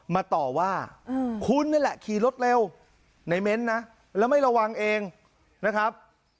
มาต่อว่าคุณนี่แหละขี่รถเร็วในเม้นต์นะแล้วไม่ระวังเองนะครับ